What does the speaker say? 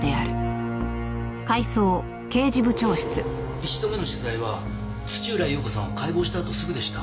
１度目の取材は土浦裕子さんを解剖したあとすぐでした。